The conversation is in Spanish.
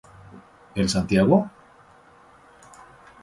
El Santiago?